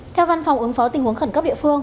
theo văn phòng ứng phó tình huống khẩn cấp địa phương